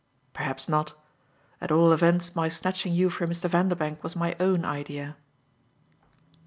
"Perhaps not. At all events my snatching you from Mr. Vanderbank was my own idea."